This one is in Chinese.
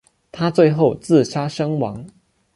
他最后自杀身亡。